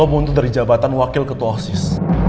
gua mau lo mundur dari jabatan wakil ketua osis